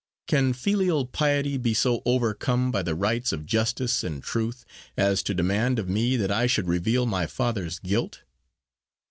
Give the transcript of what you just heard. Can filial piety be so overcome by the rights of justice and truth, as to demand of me that I should reveal my father's guilt."